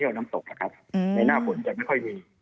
ในหน้าผลจะไม่ค่อยมี